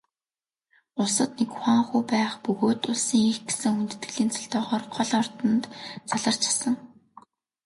Улсад нэг хуанху байх бөгөөд Улсын эх гэсэн хүндэтгэлийн цолтойгоор гол ордонд заларч асан.